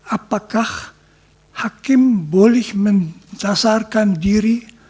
apakah hakim boleh mencasarkan diri